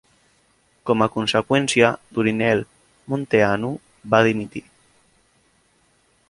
Com a conseqüència, Dorinel Munteanu va dimitir.